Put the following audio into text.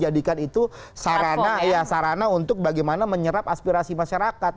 jadikan itu sarana ya sarana untuk bagaimana menyerap aspirasi masyarakat